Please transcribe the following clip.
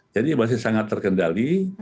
jadi masih sangat terkendali